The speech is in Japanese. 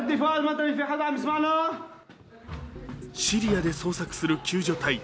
シリアで捜索する救助隊。